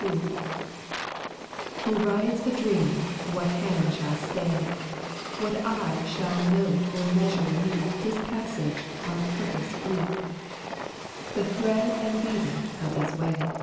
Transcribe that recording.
II Who rides a dream, what hand shall stay! What eye shall note or measure mete His passage on a purpose fleet, The thread and weaving of his way!